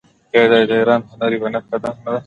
آیا دا د ایران د هنر یوه نښه نه ده؟